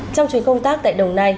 trong chuyến công tác tại đồng nai